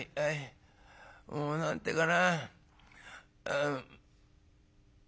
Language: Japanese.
もう何て言うかな」。